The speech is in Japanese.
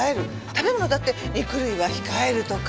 食べ物だって肉類は控えるとか。